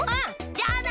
じゃあな！